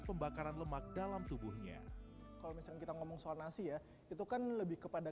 pembakaran lemak dalam tubuhnya kalau misalnya kita ngomong soal nasi ya itu kan lebih kepada